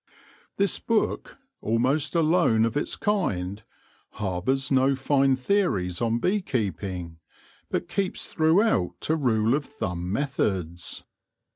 This book, almost alone of its kind, harbours no fine theories on bee keeping, but keeps throughout to rule of thumb methods.